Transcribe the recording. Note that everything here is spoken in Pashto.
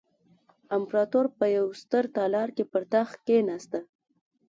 امپراتور په یوه ستر تالار کې پر تخت کېناسته.